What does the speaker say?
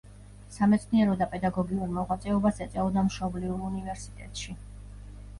სამეცნიერო და პედაგოგიურ მოღვაწეობას ეწეოდა მშობლიურ უნივერსიტეტში.